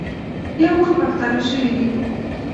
یو مخ پښتانه شوي دي.